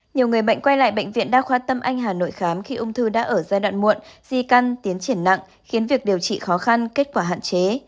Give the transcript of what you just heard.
nhiều người bệnh quay lại bệnh viện đa khoa tâm anh hà nội khám khi ung thư đã ở giai đoạn muộn di căn tiến triển nặng khiến việc điều trị khó khăn kết quả hạn chế